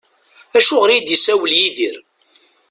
Acuɣer i d-isawel Yidir?